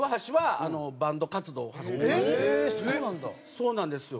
そうなんですよ。